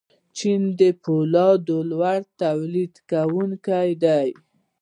چین د فولادو لوی تولیدونکی دی.